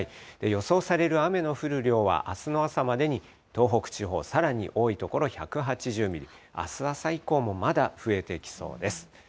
予想される雨の降る量はあすの朝までに東北地方、さらに多い所１８０ミリ、あす朝以降もまだ増えてきそうです。